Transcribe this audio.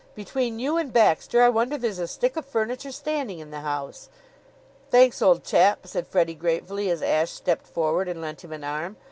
"Between you and Baxter, I wonder there's a stick of furniture standing in the house." "Thanks, old chap," said Freddie gratefully as Ashe stepped forward and lent him an arm.